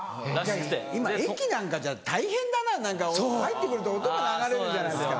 今駅なんかじゃあ大変だな何か入って来ると音が流れるじゃないですか。